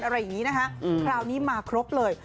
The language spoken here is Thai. อะไรอย่างนี้นะคะคราวนี้มาครบเลย